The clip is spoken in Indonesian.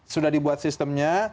sudah dibuat sistemnya